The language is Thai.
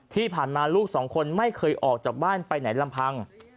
ที่ผ่านมาลูกสองคนไม่เคยออกจากบ้านไปไหนลำพัง